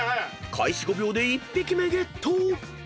［開始５秒で１匹目ゲット］